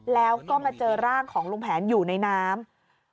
แล้วก็มาเจอร่างของลุงแผนอยู่ในน้ำ